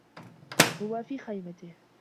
هو في خيمته.